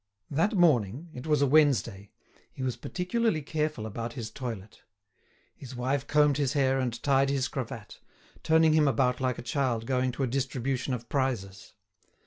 That morning—it was a Wednesday—he was particularly careful about his toilet. His wife combed his hair and tied his cravat, turning him about like a child going to a distribution of prizes.